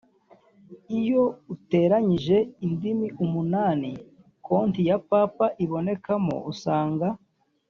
Iyo uteranyije indimi umunani konti ya Papa ibonekamo usanga